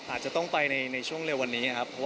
อาจจะต้องไปในช่วงเร็ววันนี้ครับ